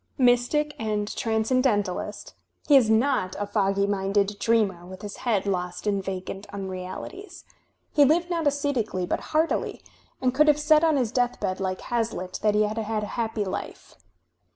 Mystic and transoendentalist, he is not a foggy minded dreamer with his head lost in vacant unrealities. He Uved not ajscetically, but heartily, and could have said on his deathbed like HazUtt that he had had a happy life.